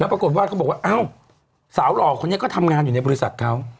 ปรากฏว่าเขาบอกว่าอ้าวสาวหล่อคนนี้ก็ทำงานอยู่ในบริษัทเขา